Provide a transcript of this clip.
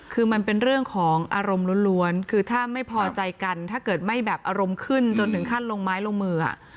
คือมันเป็นเรื่องของอารมณ์ล้วนคือถ้าไม่พอใจกันถ้าเกิดไม่แบบอารมณ์ขึ้นจนถึงขั้นลงไม้ลงมือ